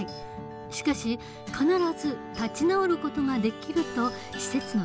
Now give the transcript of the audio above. しかし必ず立ち直る事ができると施設の代表は言う。